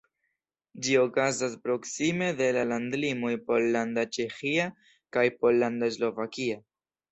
Ĝi okazas proksime de la landlimoj Pollanda-Ĉeĥia kaj Pollanda-Slovakia.